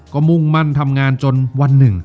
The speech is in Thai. ก็มุ่งมั่นทำงานจนวันหนึ่ง